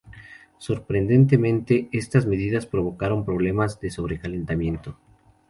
Sorprendentemente, estas medidas provocaron problemas de sobrecalentamiento.